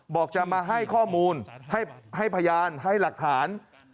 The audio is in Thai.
บอกจะมาให้ข้อมูลให้พยานให้หลักฐาน